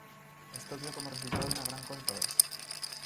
Esto dio como resultado una gran controversia.